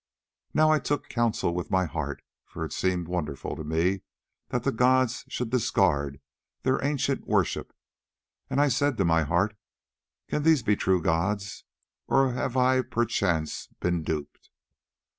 Now I took counsel with my heart, for it seemed wonderful to me that the gods should discard their ancient worship, and I said to my heart: Can these be true gods, or have I perchance been duped?